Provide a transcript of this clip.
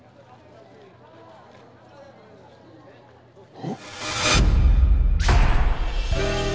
おっ！